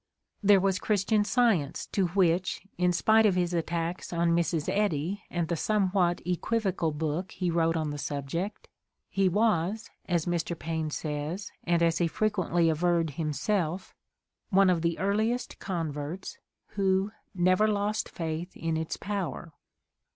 There was Christian Science to which, in spite of his attacks on Mrs. Eddy and the somewhat equivocal book he wrote on the subject, he rtfas, as Mr. Paine says, and as he frequently averred himself, one of the "earliest converts," who "never lost faith in its power."